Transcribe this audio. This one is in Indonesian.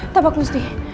tak bakal sih